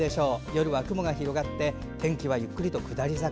夜は雲が広がって天気はゆっくりと下り坂。